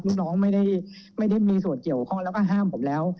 ลูกน้องไม่ได้มีส่วนเกี่ยวข้องแล้วก็ห้ามผมแล้ว